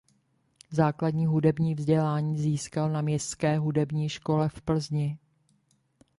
Základní hudební vzdělání získal na "Městské hudební škole" v Plzni.